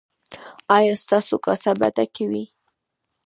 ایا ستاسو کاسه به ډکه وي؟